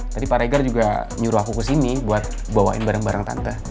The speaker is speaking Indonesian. tadi pak regar juga nyuruh aku ke sini buat bawain barang barang tante